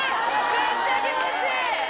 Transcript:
めっちゃ気持ちいい！